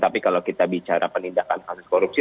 tapi kalau kita bicara penindakan kasus korupsi